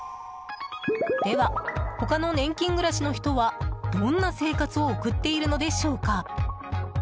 では、他の年金暮らしの人はどんな生活を送っているのでしょうか？